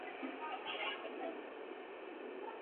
革叶车前为车前科车前属下的一个亚种。